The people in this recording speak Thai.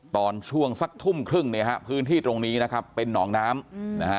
ตอนช่วงสักทุ่มครึ่งเนี่ยฮะพื้นที่ตรงนี้นะครับเป็นหนองน้ำนะฮะ